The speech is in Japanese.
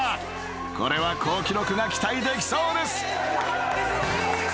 ［これは好記録が期待できそうです］